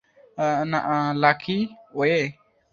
Lucky way!